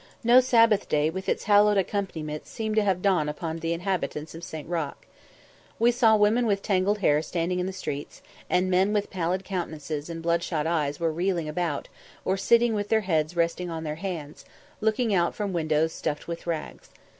No Sabbath day with its hallowed accompaniments seemed to have dawned upon the inhabitants of St. Roch. We saw women with tangled hair standing in the streets, and men with pallid countenances and bloodshot eyes were reeling about, or sitting with their heads resting on their hands, looking out from windows stuffed with rags.